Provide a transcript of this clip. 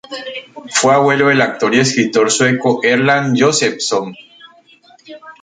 Fue abuelo del actor y escritor sueco Erland Josephson.